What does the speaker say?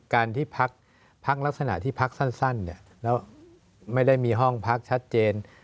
การที่พักลักษณะที่พักสั้นแล้วไม่ได้มีห้องพักชัดเจน